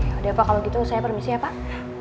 ya udah pak kalau gitu saya permisi ya pak